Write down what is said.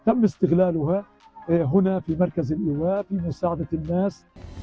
kami menggunakannya di pusat ibadah di bantuan orang